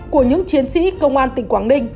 của những chiến sĩ công an tỉnh quảng ninh